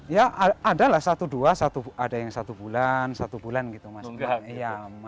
ya adalah satu dua ada yang satu bulan satu bulan gitu mas